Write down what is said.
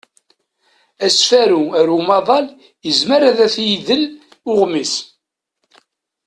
Asfaylu ar umaḍal yezmer ad t-idel uɣmis.